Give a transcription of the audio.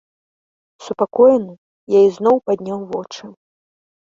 Супакоены, я ізноў падняў вочы.